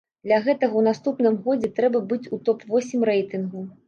Для гэтага ў наступным годзе трэба быць у топ-восем рэйтынгу.